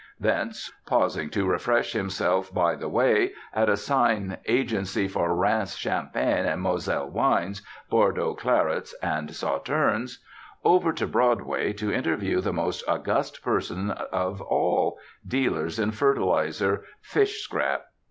Thence, pausing to refresh himself by the way at a sign "Agency for Reims Champagne and Moselle Wines Bordeaux Clarets and Sauternes," over to Broadway to interview the most august persons of all, dealers in fertilizer, "fish scrap."